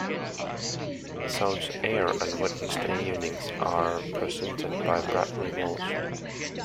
Episodes air on Wednesday evenings and are presented by Bradley Walsh.